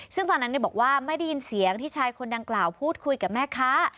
ซึ่งตอนนั้นบอกว่าไม่ได้ยินเสียงที่ชายคนดังกล่าวพูดคุยกับแม่ค้า